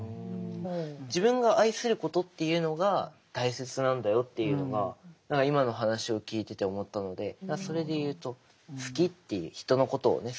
自分が愛することっていうのが大切なんだよっていうのが何か今の話を聞いてて思ったのでそれで言うと好きっていう人のことをね